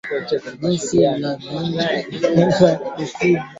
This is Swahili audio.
Jeshi la jamhuri ya kidemokrasia ya Kongo linasema limeua waasi kumina moja